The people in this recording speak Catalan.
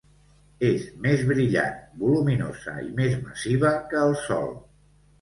És més brillant, voluminosa i més massiva que el Sol.